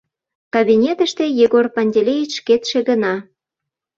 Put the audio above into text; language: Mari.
Кабинетыште Егор Пантелеич шкетше гына.